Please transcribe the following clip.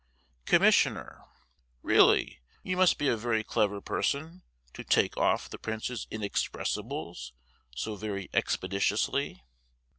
Commissioner: Really you must be a very clever person to "take off" the Prince's inexpressibles so very expeditiously.